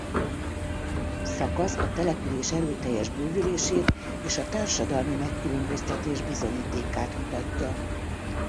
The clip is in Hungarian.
Szakasz a település erőteljes bővülését és a társadalmi megkülönböztetés bizonyítékát mutatja.